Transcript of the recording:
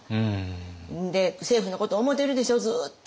政府のこと思うてるでしょうずっと。